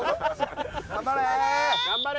頑張れ！